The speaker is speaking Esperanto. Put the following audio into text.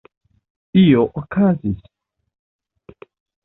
Io okazis.